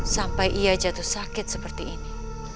sampai ia jatuh sakit seperti ini